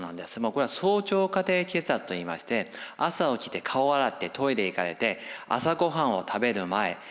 これは早朝家庭血圧といいまして朝起きて顔を洗ってトイレ行かれて朝ごはんを食べる前薬をのむ